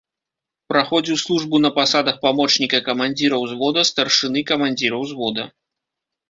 Праходзіў службу на пасадах памочніка камандзіра ўзвода, старшыны, камандзіра ўзвода.